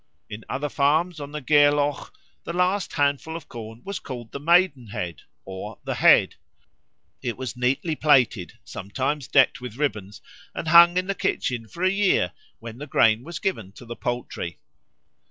In other farms on the Gareloch the last handful of corn was called the Maidenhead or the Head; it was neatly plaited, sometimes decked with ribbons, and hung in the kitchen for a year, when the grain was given to the poultry.